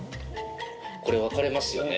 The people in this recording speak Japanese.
これ分かれますよね